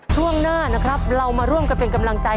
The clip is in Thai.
ช่วงหน้านะครับเรามาร่วมกันเป็นกำลังใจ